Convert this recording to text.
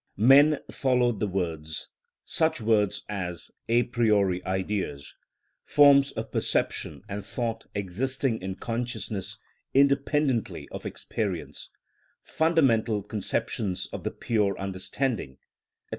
Men followed the words,—such words as "a priori ideas," "forms of perception and thought existing in consciousness independently of experience," "fundamental conceptions of the pure understanding," &c.